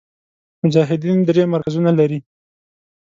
مجاهدین درې مرکزونه لري.